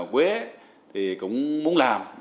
quế cũng muốn làm